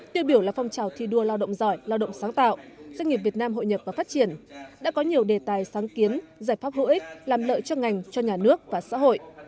tiêu biểu là phong trào thi đua lao động giỏi lao động sáng tạo doanh nghiệp việt nam hội nhập và phát triển đã có nhiều đề tài sáng kiến giải pháp hữu ích làm lợi cho ngành cho nhà nước và xã hội